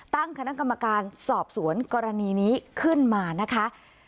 ตั้งคณะกรรมการสอบสวนกรณีนี้ขึ้นมานะคะ